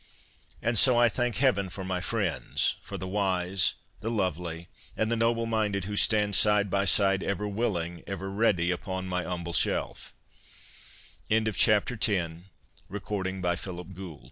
And so I thank heaven for my friends, for the wise, the lovely, and the noble minded who stand side by side, ever willing, ever ready, upon my humble shelf XI THROUGH ROSE COLOURED SPECTACLES XI